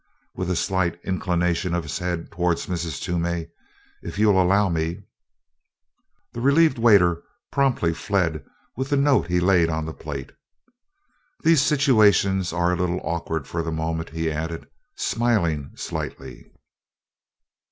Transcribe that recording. With a slight inclination of the head towards Mrs. Toomey, "If you'll allow me " The relieved waiter promptly fled with the note he laid on the plate. "These situations are a little awkward for the moment," he added, smiling slightly.